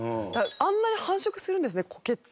あんなに繁殖するんですねコケって。